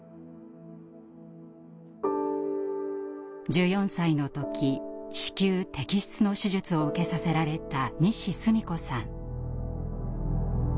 １４歳の時子宮摘出の手術を受けさせられた西スミ子さん。